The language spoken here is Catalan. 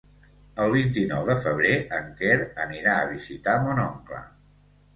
El vint-i-nou de febrer en Quer anirà a visitar mon oncle.